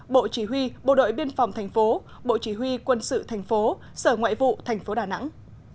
bộ chỉ huy bộ đội biên phòng thành phố bộ chỉ huy quân sự thành phố sở ngoại vụ thành phố đà nẵng